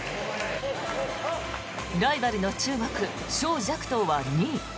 ライバルの中国ショウ・ジャクトウは２位。